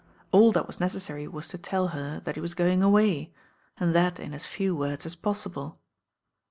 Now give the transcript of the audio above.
AU that was necessary was to tell her that he was going away, and that in as few words as possible.